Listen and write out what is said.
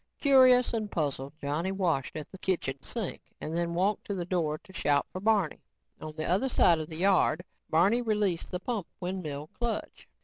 Curious and puzzled, Johnny washed at the kitchen sink and then walked to the door to shout for Barney. On the other side of the yard, Barney released the pump windmill clutch.